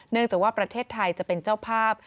จากว่าประเทศไทยจะเป็นเจ้าภาพ